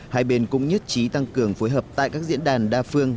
hai bên cũng nhất trí tăng cường phối hợp tại các diễn đàn đa phương